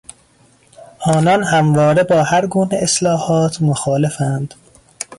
آنان همواره با هر گونه اصلاحات مخالفند.